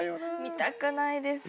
見たくないです。